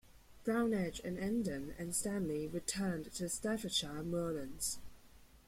Brown Edge and Endon and Stanley returned to Staffordshire Moorlands.